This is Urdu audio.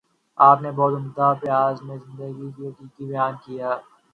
آپ نے بہت عمدہ پیراۓ میں زندگی کی حقیقتوں کو بیان کیا ہے۔